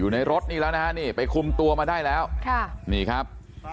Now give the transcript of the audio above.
ในรถอีกแล้วนะฮะไปคุมตัวมาได้แล้วนี่ครับ